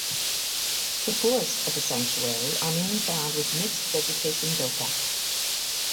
The forests of the sanctuary are mainly found with mixed vegetation dhoka.